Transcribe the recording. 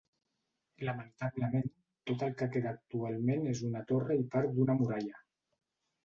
Lamentablement, tot el que queda actualment és una torre i part d'una muralla.